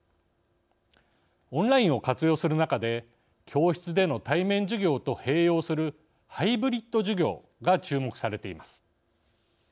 オンラインを活用する中で教室での対面授業と併用するハイブリッド授業が注目されています。